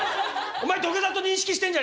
お前土下座と認識してんじゃねえか。